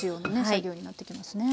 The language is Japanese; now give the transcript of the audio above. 作業になっていきますね。